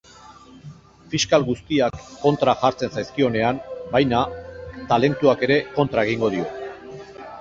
Fiskal guztiak kontra jartzen zaizkionean, baina, talentuak ere kontra egingo dio.